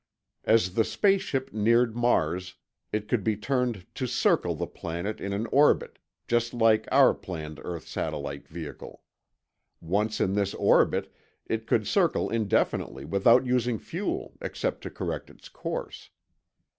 As the space ship neared Mars, it could be turned to circle the planet in an orbit, just like our planned earth satellite vehicle. Once in this orbit, it could circle indefinitely without using fuel except to correct its course.